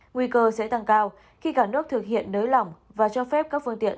nguy cơ sẽ tăng cao khi cả nước thực hiện nới lỏng và cho phép các phương tiện